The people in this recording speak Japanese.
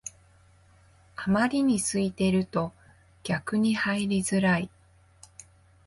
あまりに空いてると逆に入りづらい